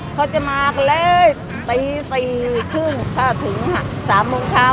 เขาจะมากันเลยปี๔๕ถ้าถึง๓โมงเท้า